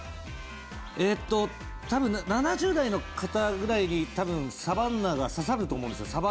えっと多分７０代の方ぐらいに多分サバンナが刺さると思うんですよ。